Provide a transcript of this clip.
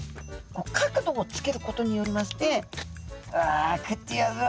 角度をつけることによりまして「うわ食ってやるぞ！